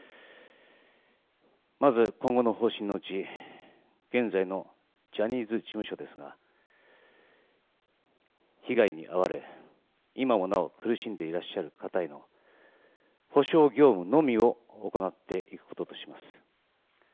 まず今後の方針のうち、現在のジャニーズ事務所ですが、被害に遭われ、今もなお苦しんでいらっしゃる方への補償業務のみを行っていくこととします。